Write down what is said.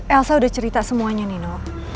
elsa udah cerita semuanya nih no